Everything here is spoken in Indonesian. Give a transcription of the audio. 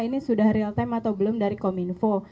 ini sudah real time atau belum dari kominfo